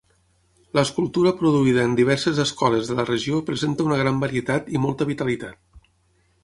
L'escultura produïda en diverses escoles de la regió presenta una gran varietat i molta vitalitat.